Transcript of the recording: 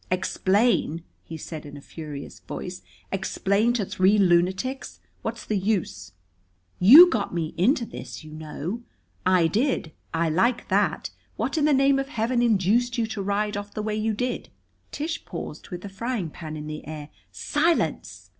"Explain!" he said in a furious voice. "Explain to three lunatics? What's the use?" "You got me into this, you know." "I did! I like that! What in the name of Heaven induced you to ride off the way you did?" Tish paused, with the frying pan in the air. "Silence!"